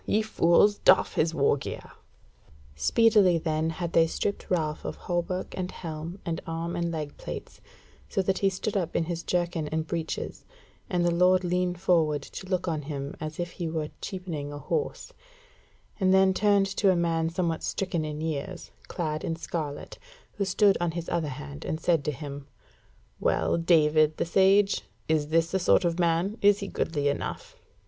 Ye fools! doff his wargear." Speedily then had they stripped Ralph of hauberk, and helm, and arm and leg plates, so that he stood up in his jerkin and breeches, and the lord leaned forward to look on him as if he were cheapening a horse; and then turned to a man somewhat stricken in years, clad in scarlet, who stood on his other hand, and said to him: "Well, David the Sage, is this the sort of man? Is he goodly enough?"